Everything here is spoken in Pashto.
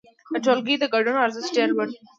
د ټولګي د ګډون ارزښت ډېر لوړ دی.